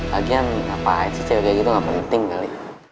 lagian ngapain sih cewek kayak gitu gak penting kali